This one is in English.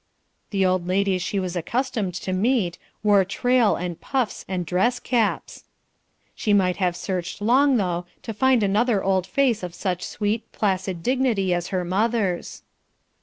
The old ladies she was accustomed to meet wore trail and puffs and dress caps; she might have searched long, though, to find another old face of such sweet placid dignity as her mother's.